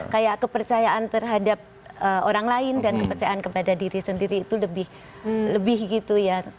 kayak kepercayaan terhadap orang lain dan kepercayaan kepada diri sendiri itu lebih gitu ya